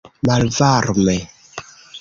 malvarme